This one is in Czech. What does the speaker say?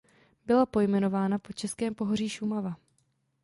Byla pojmenována po českém pohoří Šumava.